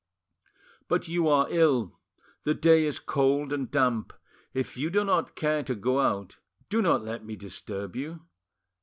But you are ill, the day is cold and damp; if you do not care to go out, do not let me disturb you.